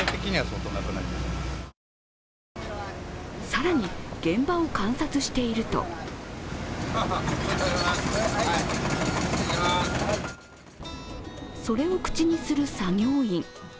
更に現場を観察しているとそれを口にする作業員。